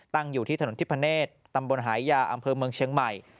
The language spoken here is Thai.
อยู่ที่ถนนทิพเนศตำบลหายาอำเภอเมืองเชียงใหม่